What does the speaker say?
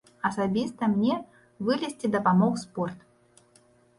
Асабіста мне вылезці дапамог спорт.